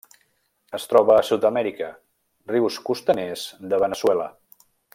Es troba a Sud-amèrica: rius costaners de Veneçuela.